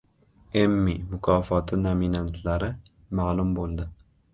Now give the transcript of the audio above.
«Emmi» mukofoti nominantlari ma’lum bo‘ldi